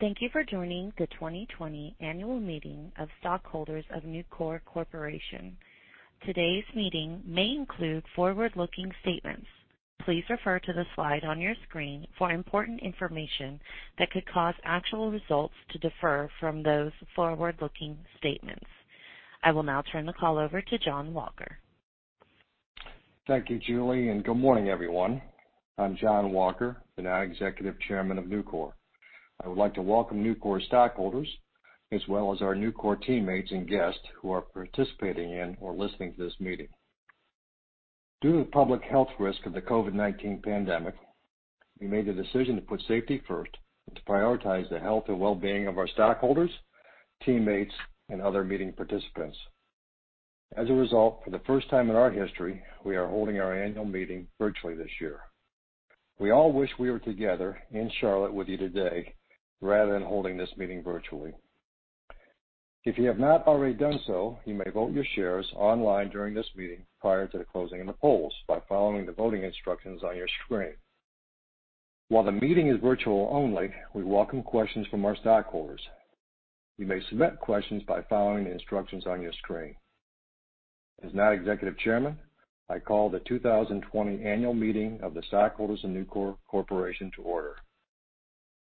Thank you for joining the 2020 annual meeting of stockholders of Nucor Corporation. Today's meeting may include forward-looking statements. Please refer to the slide on your screen for important information that could cause actual results to differ from those forward-looking statements. I will now turn the call over to John Walker. Thank you, Julie, and good morning, everyone. I'm John Walker, the non-executive chairman of Nucor. I would like to welcome Nucor stockholders, as well as our Nucor teammates and guests who are participating in or listening to this meeting. Due to the public health risk of the COVID-19 pandemic, we made the decision to put safety first and to prioritize the health and well-being of our stockholders, teammates, and other meeting participants. As a result, for the first time in our history, we are holding our annual meeting virtually this year. We all wish we were together in Charlotte with you today rather than holding this meeting virtually. If you have not already done so, you may vote your shares online during this meeting prior to the closing of the polls by following the voting instructions on your screen. While the meeting is virtual only, we welcome questions from our stockholders. You may submit questions by following the instructions on your screen. As Non-Executive Chairman, I call the 2020 annual meeting of the stockholders of Nucor Corporation to order.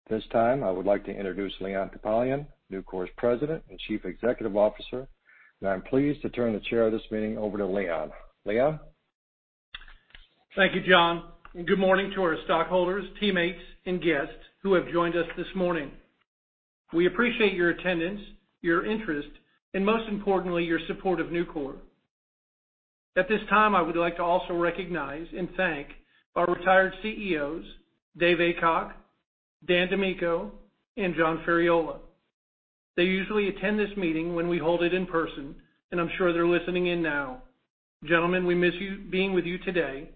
At this time, I would like to introduce Leon Topalian, Nucor's President and Chief Executive Officer, and I'm pleased to turn the chair of this meeting over to Leon. Leon? Thank you, John, and good morning to our stockholders, teammates, and guests who have joined us this morning. We appreciate your attendance, your interest, and most importantly, your support of Nucor. At this time, I would like to also recognize and thank our retired CEOs, David Aycock, Dan DiMicco, and John Ferriola. They usually attend this meeting when we hold it in person, and I'm sure they're listening in now. Gentlemen, we miss being with you today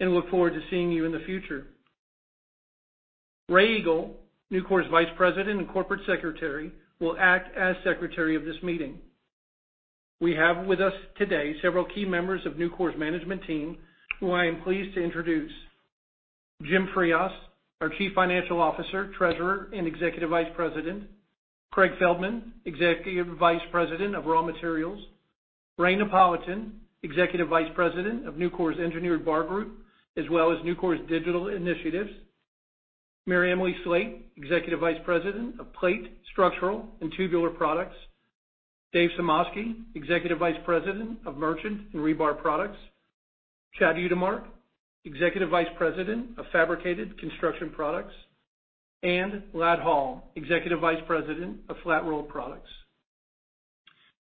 and look forward to seeing you in the future. Raa Egle, Nucor's Vice President and Corporate Secretary, will act as secretary of this meeting. We have with us today several key members of Nucor's management team who I am pleased to introduce. Jim Frias, our Chief Financial Officer, Treasurer, and Executive Vice President. Craig Feldman, Executive Vice President of Raw Materials. Ray Napolitan, Executive Vice President of Nucor's Engineered Bar Group, as well as Nucor's Digital Initiatives. MaryEmily Slate, Executive Vice President of Plate, Structural, and Tubular Products. Dave Sumoski, Executive Vice President of Merchant and Rebar Products. Chad Utermark, Executive Vice President of Fabricated Construction Products, and Ladd Hall, Executive Vice President of Flat Roll Products.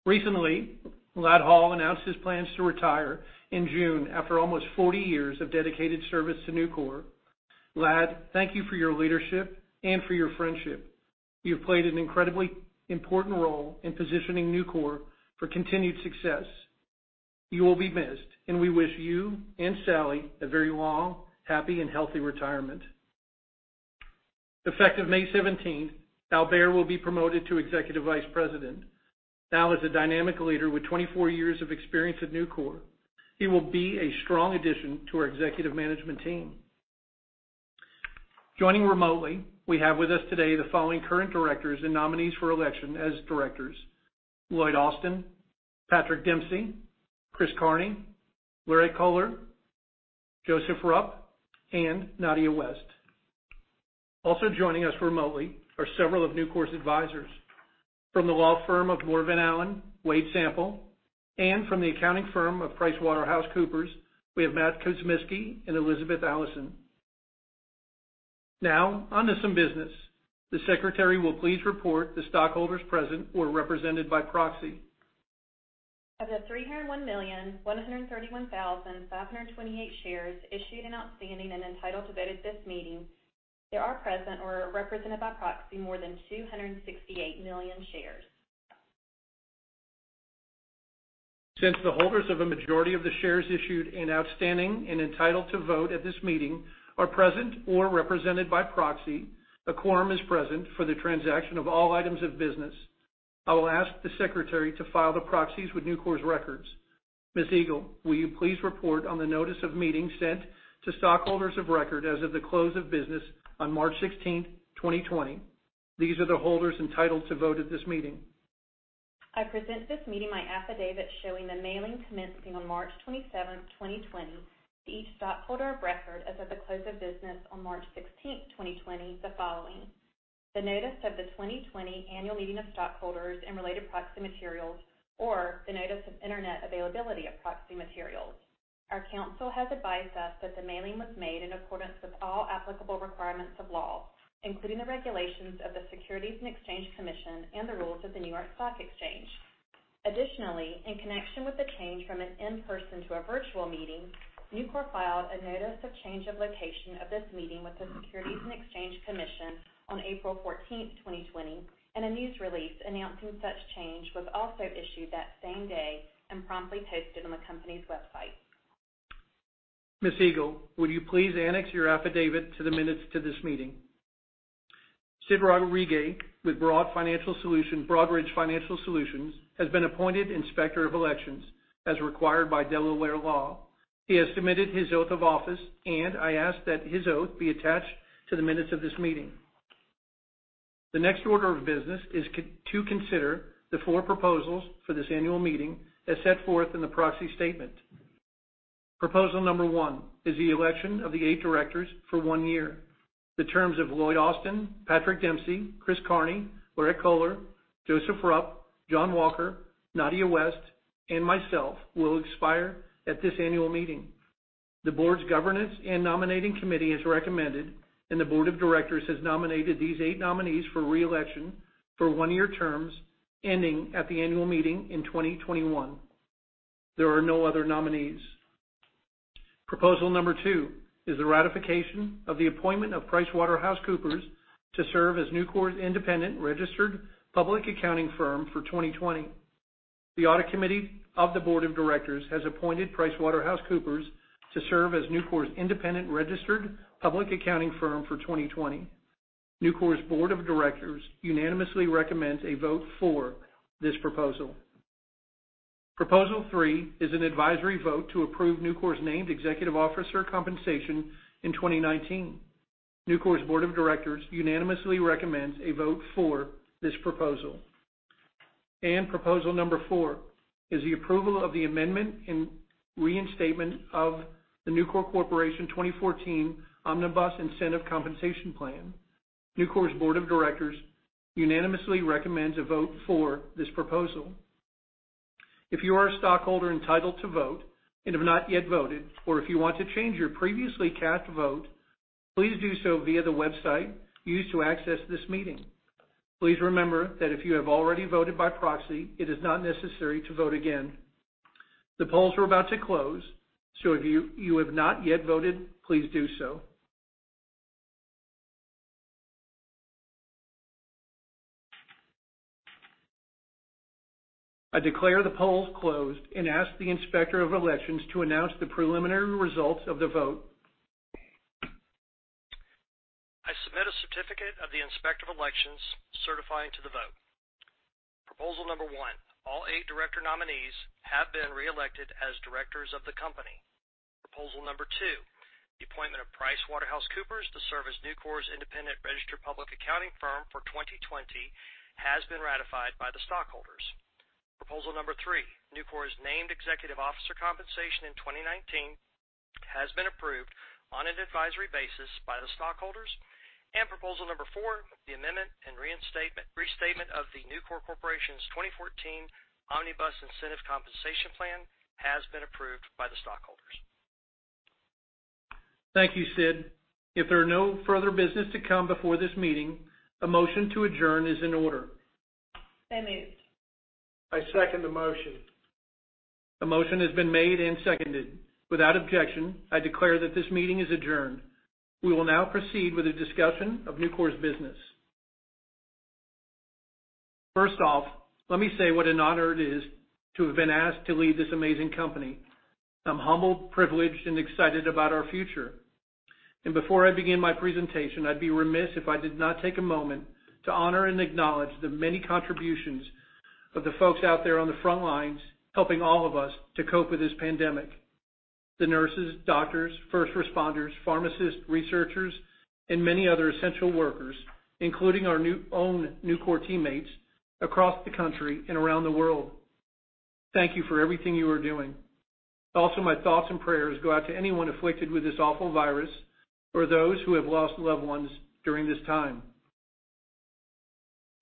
Recently, Ladd Hall announced his plans to retire in June after almost 40 years of dedicated service to Nucor. Ladd, thank you for your leadership and for your friendship. You've played an incredibly important role in positioning Nucor for continued success. You will be missed, and we wish you and Sally a very long, happy, and healthy retirement. Effective May 17th, Al Behr will be promoted to Executive Vice President. Al is a dynamic leader with 24 years of experience at Nucor. He will be a strong addition to our executive management team. Joining remotely, we have with us today the following current directors and nominees for election as directors: Lloyd Austin, Patrick Dempsey, Chris Kearney, Laurette Koellner, Joseph Rupp, and Nadja West. Also joining us remotely are several of Nucor's advisors. From the law firm of Moore & Van Allen, Wade Sample, and from the accounting firm of PricewaterhouseCoopers, we have Matt Kuzmiski and Elizabeth Allison. Now, on to some business. The Secretary will please report the stockholders present or represented by proxy. Of the 301,131,528 shares issued and outstanding and entitled to vote at this meeting, there are present or represented by proxy more than 268 million shares. Since the holders of a majority of the shares issued and outstanding and entitled to vote at this meeting are present or represented by proxy, a quorum is present for the transaction of all items of business. I will ask the secretary to file the proxies with Nucor's records. Ms. Egle, will you please report on the notice of meeting sent to stockholders of record as of the close of business on March 16th, 2020? These are the holders entitled to vote at this meeting. I present this meeting my affidavit showing the mailing commencing on March 27th, 2020, to each stockholder of record as of the close of business on March 16th, 2020, the following: The notice of the 2020 annual meeting of stockholders and related proxy materials or the notice of Internet availability of proxy materials. Our counsel has advised us that the mailing was made in accordance with all applicable requirements of law, including the regulations of the Securities and Exchange Commission and the rules of the New York Stock Exchange. Additionally, in connection with the change from an in-person to a virtual meeting, Nucor filed a notice of change of location of this meeting with the Securities and Exchange Commission on April 14th, 2020, and a news release announcing such change was also issued that same day and promptly posted on the company's website. Ms. Egle, would you please annex your affidavit to the minutes to this meeting? Sid Rodriguez with Broadridge Financial Solutions has been appointed Inspector of Elections as required by Delaware law. He has submitted his oath of office, and I ask that his oath be attached to the minutes of this meeting. The next order of business is to consider the four proposals for this annual meeting as set forth in the proxy statement. Proposal number one is the election of the eight directors for one year. The terms of Lloyd Austin, Patrick Dempsey, Chris Kearney, Laurette Koellner, Joseph Rupp, John Walker, Nadja West, and myself will expire at this annual meeting. The board's governance and nominating committee has recommended, and the board of directors has nominated these eight nominees for re-election for one-year terms ending at the annual meeting in 2021. There are no other nominees. Proposal number 2 is the ratification of the appointment of PricewaterhouseCoopers to serve as Nucor's independent registered public accounting firm for 2020. The audit committee of the board of directors has appointed PricewaterhouseCoopers to serve as Nucor's independent registered public accounting firm for 2020. Nucor's board of directors unanimously recommends a vote for this proposal. Proposal 3 is an advisory vote to approve Nucor's named executive officer compensation in 2019. Nucor's board of directors unanimously recommends a vote for this proposal. Proposal number 4 is the approval of the amendment and reinstatement of the Nucor Corporation 2014 Omnibus Incentive Compensation Plan. Nucor's board of directors unanimously recommends a vote for this proposal. If you are a stockholder entitled to vote and have not yet voted, or if you want to change your previously cast vote, please do so via the website used to access this meeting. Please remember that if you have already voted by proxy, it is not necessary to vote again. The polls are about to close. If you have not yet voted, please do so. I declare the polls closed and ask the Inspector of Elections to announce the preliminary results of the vote. I submit a certificate of the Inspector of Elections certifying to the vote. Proposal No. 1, all 8 director nominees have been re-elected as directors of the company. Proposal No. 2, the appointment of PricewaterhouseCoopers to serve as Nucor's independent registered public accounting firm for 2020 has been ratified by the stockholders. Proposal No. 3, Nucor's named executive officer compensation in 2019 has been approved on an advisory basis by the stockholders. Proposal No. 4, the amendment and restatement of the Nucor Corporation 2014 Omnibus Incentive Compensation Plan has been approved by the stockholders. Thank you, Sid. If there are no further business to come before this meeting, a motion to adjourn is in order. So moved. I second the motion. A motion has been made and seconded. Without objection, I declare that this meeting is adjourned. We will now proceed with a discussion of Nucor's business. First off, let me say what an honor it is to have been asked to lead this amazing company. I'm humbled, privileged, and excited about our future. Before I begin my presentation, I'd be remiss if I did not take a moment to honor and acknowledge the many contributions of the folks out there on the front lines helping all of us to cope with this pandemic. The nurses, doctors, first responders, pharmacists, researchers, and many other essential workers, including our own Nucor teammates across the country and around the world. Thank you for everything you are doing. Also, my thoughts and prayers go out to anyone afflicted with this awful virus or those who have lost loved ones during this time.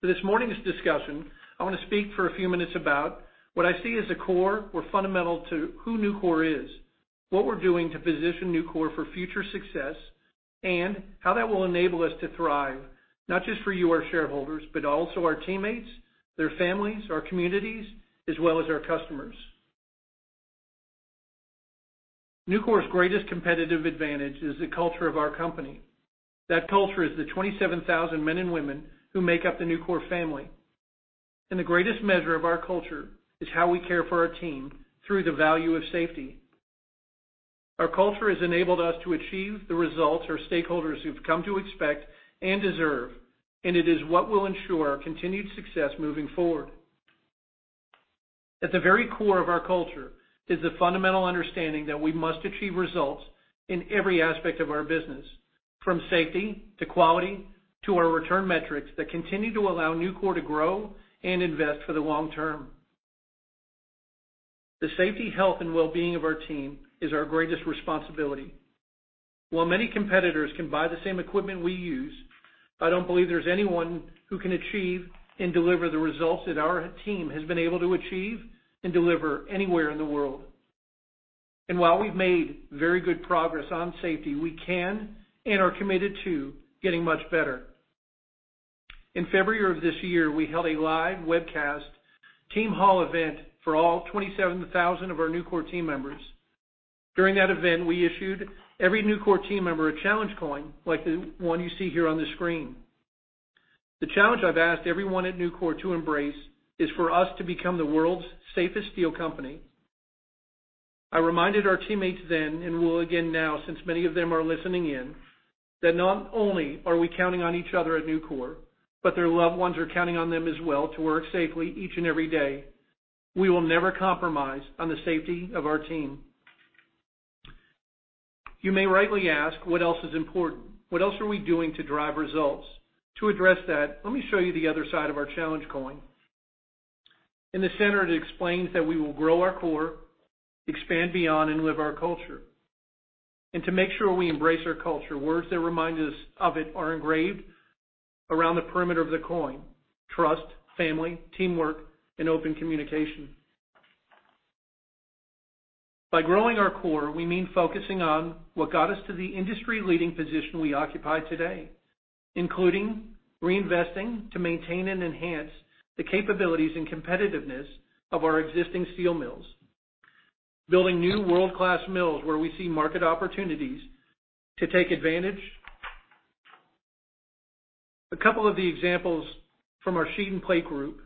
For this morning's discussion, I want to speak for a few minutes about what I see as the core or fundamental to who Nucor is, what we're doing to position Nucor for future success, and how that will enable us to thrive, not just for you, our shareholders, but also our teammates, their families, our communities, as well as our customers. Nucor's greatest competitive advantage is the culture of our company. That culture is the 27,000 men and women who make up the Nucor family. The greatest measure of our culture is how we care for our team through the value of safety. Our culture has enabled us to achieve the results our stakeholders have come to expect and deserve, and it is what will ensure our continued success moving forward. At the very core of our culture is the fundamental understanding that we must achieve results in every aspect of our business, from safety to quality to our return metrics that continue to allow Nucor to grow and invest for the long term. The safety, health, and well-being of our team is our greatest responsibility. While many competitors can buy the same equipment we use, I don't believe there's anyone who can achieve and deliver the results that our team has been able to achieve and deliver anywhere in the world. While we've made very good progress on safety, we can and are committed to getting much better. In February of this year, we held a live webcast team hall event for all 27,000 of our Nucor team members. During that event, we issued every Nucor team member a challenge coin like the one you see here on the screen. The challenge I've asked everyone at Nucor to embrace is for us to become the world's safest steel company. I reminded our teammates then, and will again now, since many of them are listening in, that not only are we counting on each other at Nucor, but their loved ones are counting on them as well to work safely each and every day. We will never compromise on the safety of our team. You may rightly ask, what else is important? What else are we doing to drive results? To address that, let me show you the other side of our challenge coin. In the center, it explains that we will grow our core, expand beyond, and live our culture. To make sure we embrace our culture, words that remind us of it are engraved around the perimeter of the coin, trust, family, teamwork, and open communication. By growing our core, we mean focusing on what got us to the industry-leading position we occupy today, including reinvesting to maintain and enhance the capabilities and competitiveness of our existing steel mills. Building new world-class mills where we see market opportunities to take advantage. A couple of the examples from our sheet and plate group,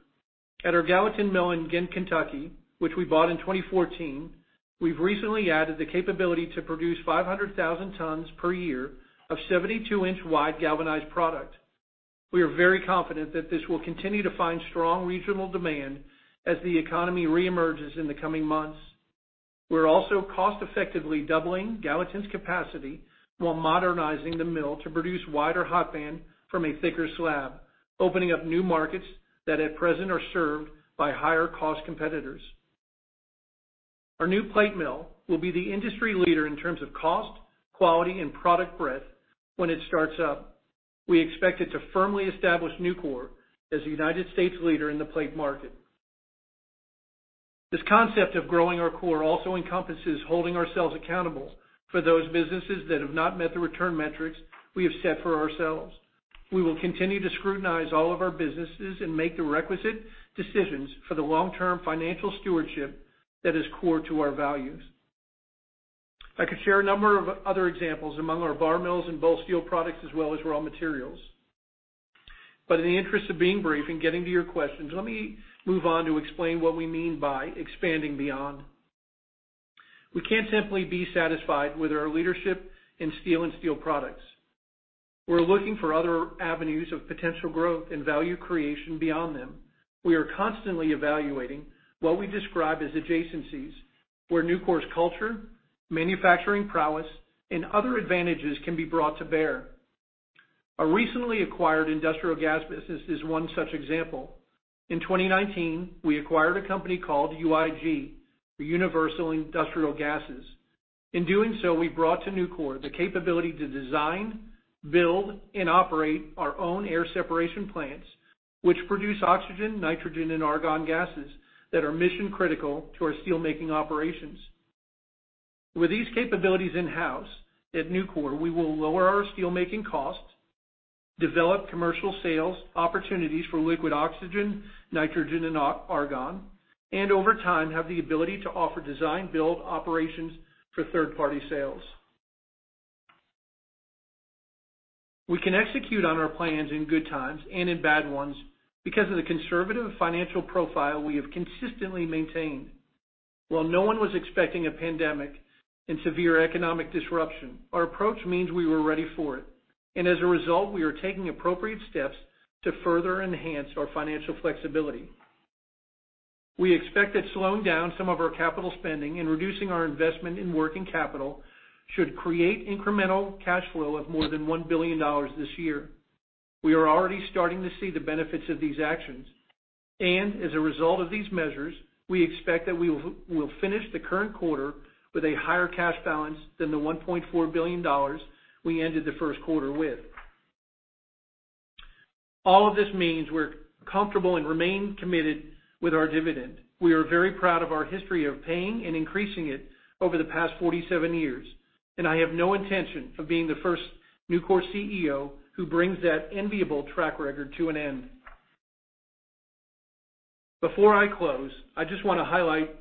at our Gallatin mill in Kentucky, which we bought in 2014, we've recently added the capability to produce 500,000 tons per year of 72-inch wide galvanized product. We are very confident that this will continue to find strong regional demand as the economy reemerges in the coming months. We're also cost-effectively doubling Gallatin's capacity while modernizing the mill to produce wider hot band from a thicker slab, opening up new markets that at present are served by higher-cost competitors. Our new plate mill will be the industry leader in terms of cost, quality, and product breadth when it starts up. We expect it to firmly establish Nucor as the United States leader in the plate market. This concept of growing our core also encompasses holding ourselves accountable for those businesses that have not met the return metrics we have set for ourselves. We will continue to scrutinize all of our businesses and make the requisite decisions for the long-term financial stewardship that is core to our values. I could share a number of other examples among our bar mills and bolt steel products as well as Raw Materials. In the interest of being brief and getting to your questions, let me move on to explain what we mean by expanding beyond. We can't simply be satisfied with our leadership in steel and steel products. We're looking for other avenues of potential growth and value creation beyond them. We are constantly evaluating what we describe as adjacencies, where Nucor's culture, manufacturing prowess, and other advantages can be brought to bear. Our recently acquired industrial gas business is one such example. In 2019, we acquired a company called UIG, or Universal Industrial Gases. In doing so, we brought to Nucor the capability to design, build, and operate our own air separation plants, which produce oxygen, nitrogen, and argon gases that are mission-critical to our steelmaking operations. With these capabilities in-house at Nucor, we will lower our steelmaking costs, develop commercial sales opportunities for liquid oxygen, nitrogen, and argon, and over time, have the ability to offer design build operations for third-party sales. We can execute on our plans in good times and in bad ones because of the conservative financial profile we have consistently maintained. While no one was expecting a pandemic and severe economic disruption, our approach means we were ready for it. As a result, we are taking appropriate steps to further enhance our financial flexibility. We expect that slowing down some of our capital spending and reducing our investment in working capital should create incremental cash flow of more than $1 billion this year. We are already starting to see the benefits of these actions. As a result of these measures, we expect that we will finish the current quarter with a higher cash balance than the $1.4 billion we ended the first quarter with. All of this means we're comfortable and remain committed with our dividend. We are very proud of our history of paying and increasing it over the past 47 years, and I have no intention of being the first Nucor CEO who brings that enviable track record to an end. Before I close, I just want to highlight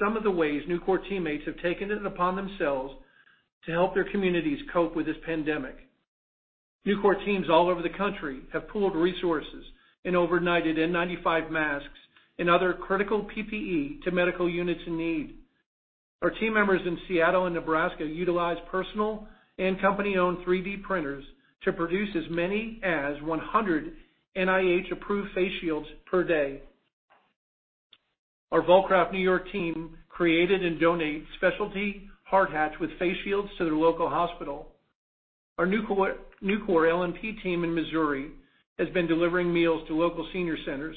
some of the ways Nucor teammates have taken it upon themselves to help their communities cope with this pandemic. Nucor teams all over the country have pooled resources and overnighted N95 masks and other critical PPE to medical units in need. Our team members in Seattle and Nebraska utilized personal and company-owned 3D printers to produce as many as 100 NIH-approved face shields per day. Our Vulcraft New York team created and donated specialty hard hats with face shields to their local hospital. Our Nucor LMP team in Missouri has been delivering meals to local senior centers.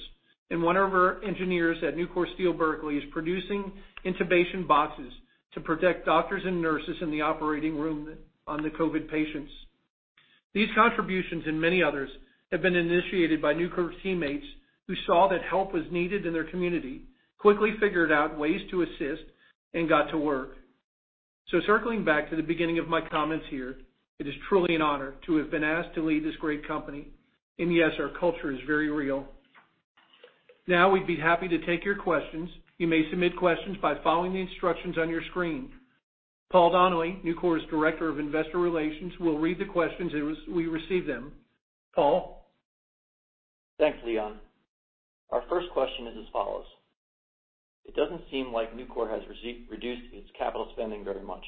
One of our engineers at Nucor Steel Berkeley is producing intubation boxes to protect doctors and nurses in the operating room on the COVID patients. These contributions and many others have been initiated by Nucor teammates who saw that help was needed in their community, quickly figured out ways to assist, and got to work. Circling back to the beginning of my comments here, it is truly an honor to have been asked to lead this great company. Yes, our culture is very real. We'd be happy to take your questions. You may submit questions by following the instructions on your screen. Paul Donnelly, Nucor's Director of Investor Relations, will read the questions as we receive them. Paul? Thanks, Leon. Our first question is as follows: it doesn't seem like Nucor has reduced its capital spending very much.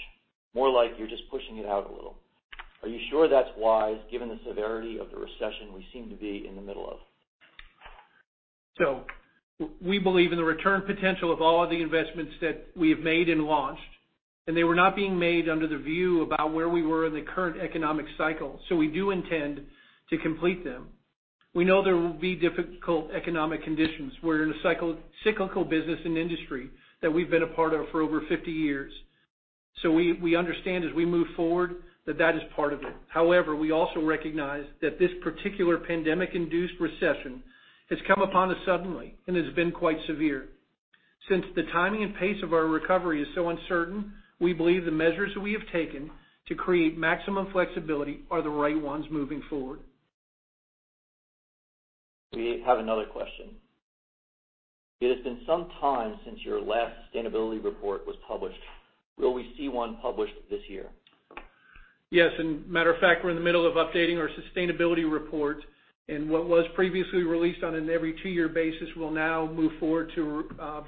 More like you're just pushing it out a little. Are you sure that's wise, given the severity of the recession we seem to be in the middle of? We believe in the return potential of all of the investments that we have made and launched, and they were not being made under the view about where we were in the current economic cycle. We do intend to complete them. We know there will be difficult economic conditions. We are in a cyclical business and industry that we have been a part of for over 50 years. We understand as we move forward that that is part of it. However, we also recognize that this particular pandemic-induced recession has come upon us suddenly and has been quite severe. Since the timing and pace of our recovery is so uncertain, we believe the measures we have taken to create maximum flexibility are the right ones moving forward. We have another question. It has been some time since your last sustainability report was published. Will we see one published this year? Yes, matter of fact, we're in the middle of updating our sustainability report. What was previously released on an every two-year basis will now move forward to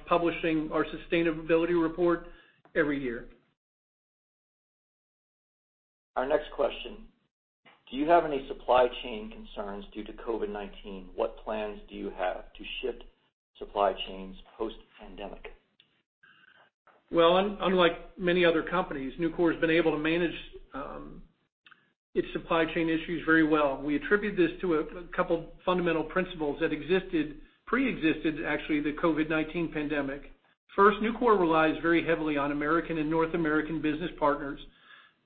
publishing our sustainability report every year. Our next question: do you have any supply chain concerns due to COVID-19? What plans do you have to shift supply chains post-pandemic? Well, unlike many other companies, Nucor has been able to manage its supply chain issues very well. We attribute this to a couple fundamental principles that pre-existed, actually, the COVID-19 pandemic. First, Nucor relies very heavily on American and North American business partners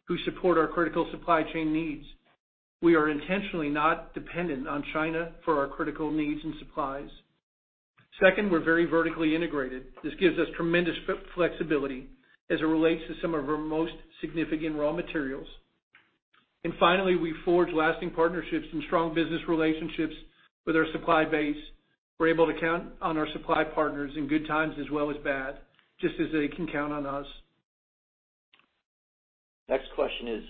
who support our critical supply chain needs. We are intentionally not dependent on China for our critical needs and supplies. Second, we're very vertically integrated. This gives us tremendous flexibility as it relates to some of our most significant raw materials. Finally, we forge lasting partnerships and strong business relationships with our supply base. We're able to count on our supply partners in good times as well as bad, just as they can count on us. Next question is: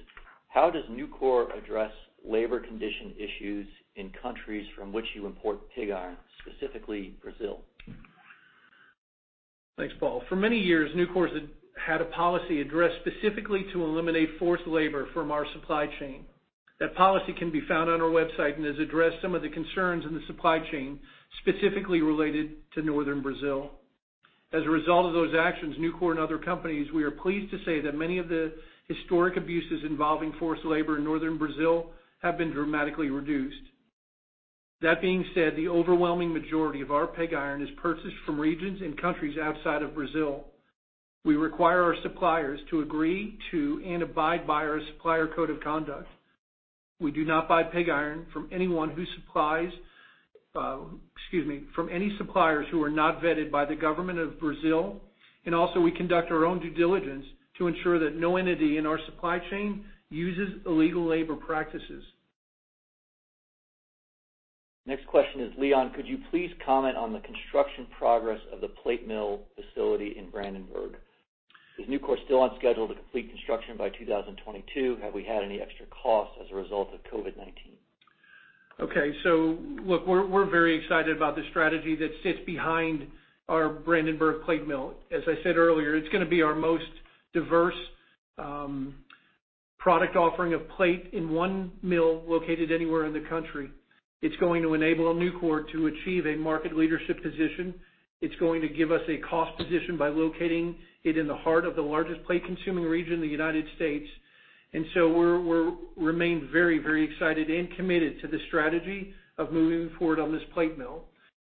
how does Nucor address labor condition issues in countries from which you import pig iron, specifically Brazil? Thanks, Paul. For many years, Nucor has had a policy addressed specifically to eliminate forced labor from our supply chain. That policy can be found on our website and has addressed some of the concerns in the supply chain, specifically related to Northern Brazil. As a result of those actions, Nucor and other companies, we are pleased to say that many of the historic abuses involving forced labor in Northern Brazil have been dramatically reduced. That being said, the overwhelming majority of our pig iron is purchased from regions and countries outside of Brazil. We require our suppliers to agree to and abide by our supplier code of conduct. We do not buy pig iron from any suppliers who are not vetted by the government of Brazil, and also we conduct our own due diligence to ensure that no entity in our supply chain uses illegal labor practices. Next question is, Leon, could you please comment on the construction progress of the plate mill facility in Brandenburg? Is Nucor still on schedule to complete construction by 2022? Have we had any extra costs as a result of COVID-19? Okay. Look, we're very excited about the strategy that sits behind our Brandenburg plate mill. As I said earlier, it's going to be our most diverse product offering of plate in one mill located anywhere in the country. It's going to enable Nucor to achieve a market leadership position. It's going to give us a cost position by locating it in the heart of the largest plate-consuming region in the United States. We remain very excited and committed to the strategy of moving forward on this plate mill.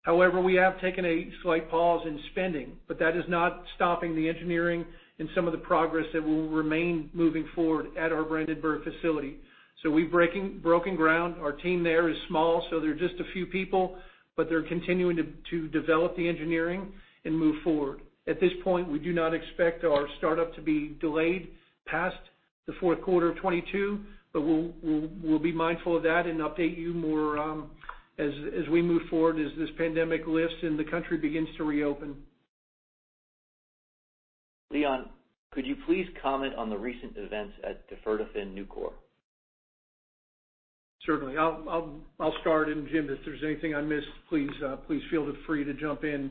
However, we have taken a slight pause in spending, but that is not stopping the engineering and some of the progress that will remain moving forward at our Brandenburg facility. We've broken ground. Our team there is small, so there are just a few people, but they're continuing to develop the engineering and move forward. At this point, we do not expect our startup to be delayed past the fourth quarter of 2022, but we'll be mindful of that and update you more as we move forward as this pandemic lifts and the country begins to reopen. Leon, could you please comment on the recent events at Differdange-Nucor? I'll start, and Jim, if there's anything I missed, please feel free to jump in.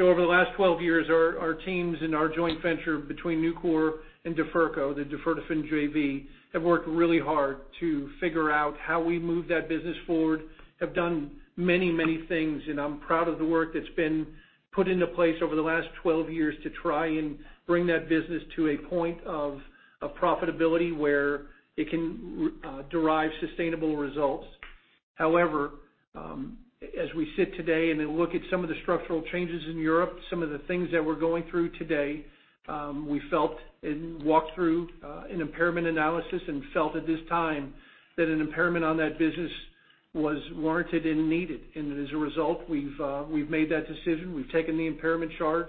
Over the last 12 years, our teams in our joint venture between Nucor and Duferco, the Duferdofin-Nucor S.r.l., have worked really hard to figure out how we move that business forward, have done many things, and I'm proud of the work that's been put into place over the last 12 years to try and bring that business to a point of profitability where it can derive sustainable results. As we sit today and then look at some of the structural changes in Europe, some of the things that we're going through today, we walked through an impairment analysis and felt at this time that an impairment on that business was warranted and needed. As a result, we've made that decision. We've taken the impairment charge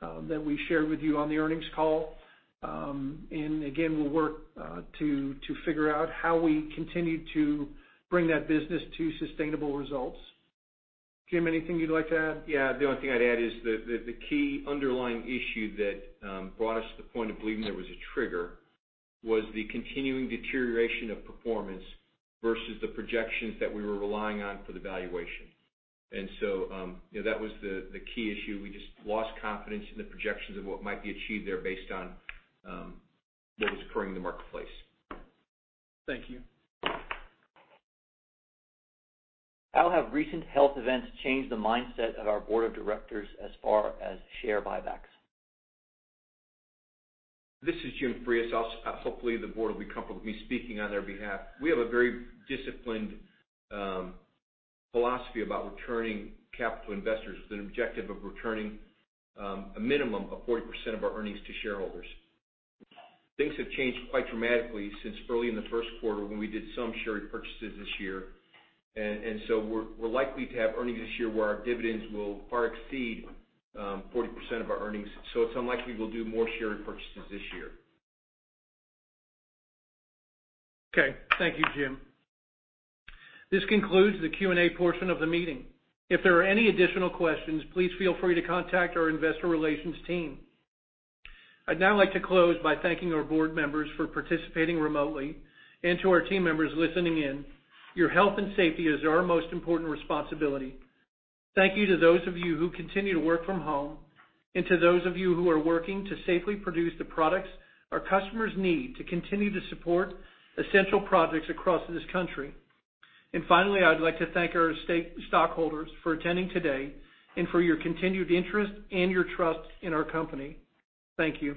that we shared with you on the earnings call. Again, we'll work to figure out how we continue to bring that business to sustainable results. Jim, anything you'd like to add? Yeah, the only thing I'd add is the key underlying issue that brought us to the point of believing there was a trigger was the continuing deterioration of performance versus the projections that we were relying on for the valuation. That was the key issue. We just lost confidence in the projections of what might be achieved there based on what was occurring in the marketplace. Thank you. How have recent health events changed the mindset of our board of directors as far as share buybacks? This is Jim Frias. Hopefully, the board will be comfortable with me speaking on their behalf. We have a very disciplined philosophy about returning capital investors with an objective of returning a minimum of 40% of our earnings to shareholders. Things have changed quite dramatically since early in the first quarter when we did some share purchases this year. We're likely to have earnings this year where our dividends will far exceed 40% of our earnings. It's unlikely we'll do more share purchases this year. Okay. Thank you, Jim. This concludes the Q&A portion of the meeting. If there are any additional questions, please feel free to contact our investor relations team. I'd now like to close by thanking our board members for participating remotely and to our team members listening in. Your health and safety is our most important responsibility. Thank you to those of you who continue to work from home and to those of you who are working to safely produce the products our customers need to continue to support essential projects across this country. Finally, I would like to thank our stockholders for attending today and for your continued interest and your trust in our company. Thank you